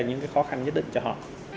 những cái khó khăn nhất định cho họ